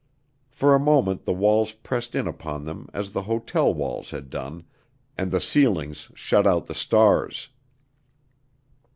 For a moment the walls pressed in upon them as the hotel walls had done, and the ceilings shut out the stars.